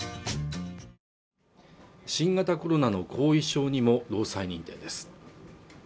新型コロナの後遺症にも労災認定です